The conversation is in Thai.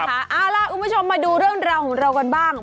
เอาล่ะคุณผู้ชมมาดูเรื่องราวของเรากันบ้าง